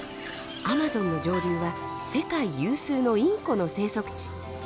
アマゾンの上流は世界有数のインコの生息地。